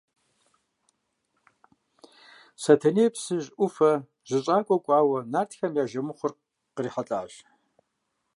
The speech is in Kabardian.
Сэтэней Псыжь ӏуфэ жьыщӏакӏуэ кӏуауэ, нартхэ я жэмыхъуэр кърихьэлӏащ.